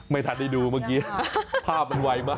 ไม่ทันได้ดูเมื่อกี้ภาพมันไวมาก